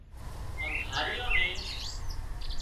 هانَ ڌرايئان نين